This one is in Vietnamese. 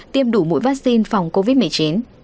tiêm đủ mũi vaccine phòng covid một mươi chín